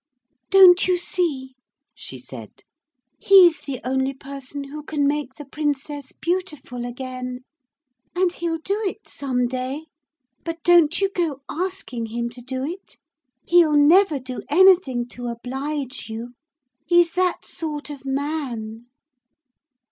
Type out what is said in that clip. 'Don't you see,' she said, 'he's the only person who can make the Princess beautiful again. And he'll do it some day. But don't you go asking him to do it. He'll never do anything to oblige you. He's that sort of man.'